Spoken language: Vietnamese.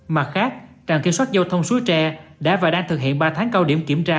mặt khác trạm kiểm soát giao thông suối tre đã và đang thực hiện ba tháng cao điểm kiểm tra